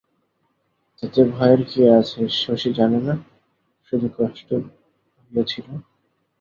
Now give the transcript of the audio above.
তাতে ভয়ের কী আছে শশী জানে না, শুধু কষ্ট হইয়াছিল।